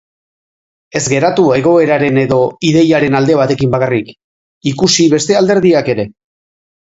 Ez geratu egoeraren edo ideiaren alde batekin bakarrik, ikusi beste alderdiak ere.